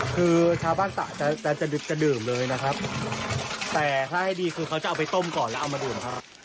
คือชาวบ้านตะจะจะดึกจะดื่มเลยนะครับแต่ถ้าให้ดีคือเขาจะเอาไปต้มก่อนแล้วเอามาดื่มครับ